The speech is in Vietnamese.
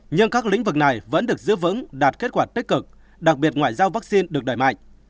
nhưng các lĩnh vực này vẫn được giữ vững đạt kết quả tích cực đặc biệt ngoại giao vaccine được đẩy mạnh